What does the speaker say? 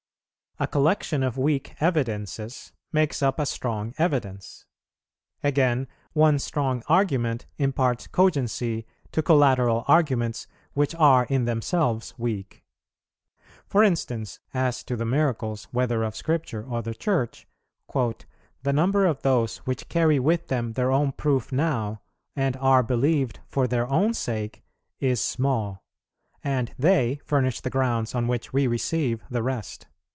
A collection of weak evidences makes up a strong evidence; again, one strong argument imparts cogency to collateral arguments which are in themselves weak. For instance, as to the miracles, whether of Scripture or the Church, "the number of those which carry with them their own proof now, and are believed for their own sake, is small, and they furnish the grounds on which we receive the rest."